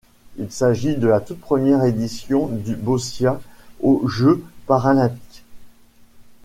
Il s'agit de la toute première édition du boccia aux Jeux paralympiques.